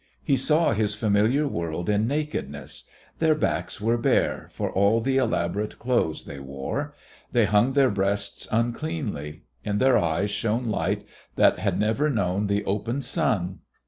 He saw his familiar world in nakedness. Their backs were bare, for all the elaborate clothes they wore; they hung their breasts uncleanly; in their eyes shone light that had never known the open sun.